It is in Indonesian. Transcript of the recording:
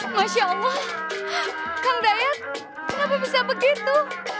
masya allah kang diet kenapa bisa begitu